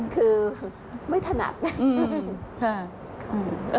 คือไม่ถนัดนะ